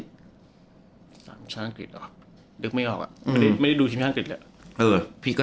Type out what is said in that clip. สถานกรีม์ฯกิตหรอ